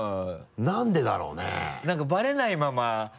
何でだろうね？